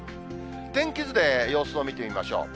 天気図で様子を見てみましょう。